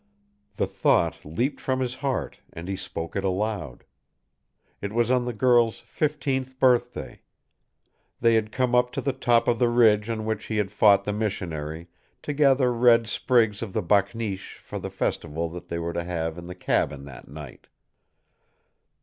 The thought leaped from his heart, and he spoke it aloud. It was on the girl's fifteenth birthday. They had come up to the top of the ridge on which he had fought the missionary, to gather red sprigs of the bakneesh for the festival that they were to have in the cabin that night.